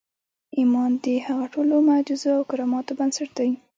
ايمان د هغو ټولو معجزو او کراماتو بنسټ دی.